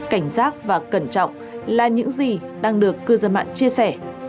cảnh giác và cẩn trọng là những gì đang được cư dân mạng chia sẻ